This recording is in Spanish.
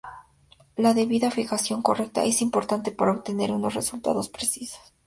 La debida fijación correcta es importante para obtener unos resultados precisos.